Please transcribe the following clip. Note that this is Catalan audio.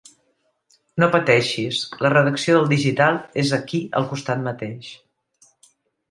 No pateixis, la redacció del digital és aquí al costat mateix.